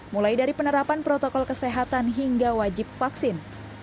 mulai dari penerapan protokol kesehatan hingga wajib vaksin